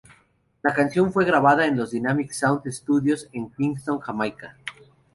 La canción fue grabada en los Dynamic Sound Studios en Kingston, Jamaica.